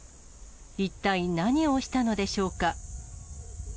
一体何をしたのでしょうか。